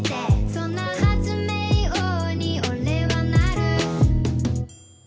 「そんな発明王にオレはなる」